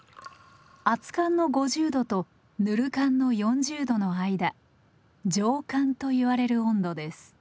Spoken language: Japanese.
熱燗の５０度とぬる燗の４０度の間上燗と言われる温度です。